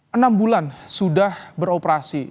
enam bulan sudah beroperasi